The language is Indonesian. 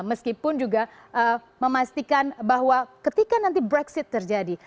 meskipun juga memastikan bahwa ketika nanti brexit terjadi